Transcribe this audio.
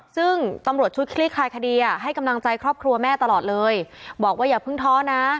ซึ่งตำรวจชุดคลี่คลายคดีอ่ะให้กำลังใจครอบครัวแม่ตลอดเลยบอกว่าอย่าเพิ่งท้อนะ